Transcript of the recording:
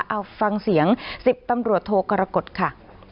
เอาฟังเสียง๑๐ตำรวจโทกรกฎค่ะ